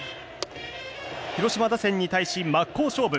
広島打線に対し真っ向勝負。